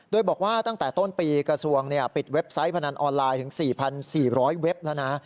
โดยบอกว่าตั้งแต่ต้นปีกระทรวงปิดเว็บไซต์พนันออนไลน์ถึง๔๔๐๐เว็บแล้วนะ